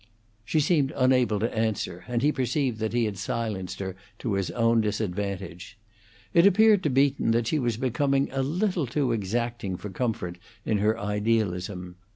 She seemed unable to answer, and he perceived that he had silenced her to his own disadvantage. It appeared to Beaton that she was becoming a little too exacting for comfort in her idealism.